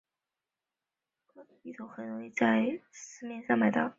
氯苯乙酮很容易在市面上买到。